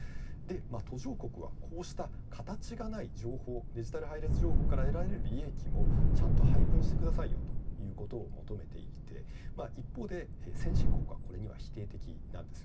途上国はこうした形がない情報、デジタル配列情報から得られる利益をちゃんと配分してくださいよということを求めていて一方で先進国はこれには否定的なんです。